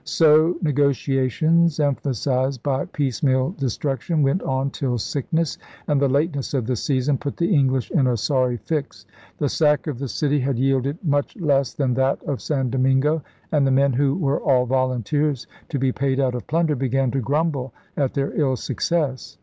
So negoti ations, emphasized by piecemeal destruction, went on till sickness and the lateness of the season put the English in a sorry fix. The sack of the city had yielded much less than that of San Domingo; and the men, who were all volunteers, to be paid out of plunder, began to grumble at their ill success.